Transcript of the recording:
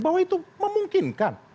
bahwa itu memungkinkan